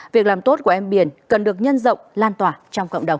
việc làm tốt của em biển cần được nhân rộng lan tỏa trong cộng đồng